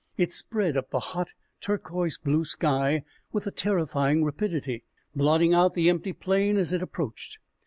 It spread up the hot, turquoise blue sky with a terrifying rapidity, blotting out the empty plain as it approached.